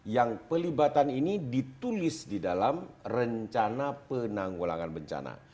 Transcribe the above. yang pelibatan ini ditulis di dalam rencana penanggulangan bencana